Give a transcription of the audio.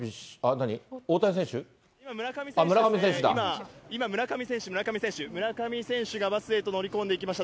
村上選手、今、村上選手、村上選手、村上選手が今、バスへと乗り込んでいきました。